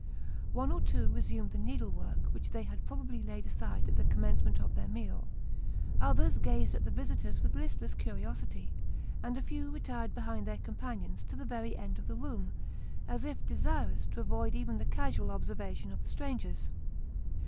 One or two resumed the needlework which they had probably laid aside at the commencement of their meal ; others gazed at the visitors with listless curiosity ; and a few retired behind their companions to the very end of the room, as if desirous to avoid even the casual observation of the strangers.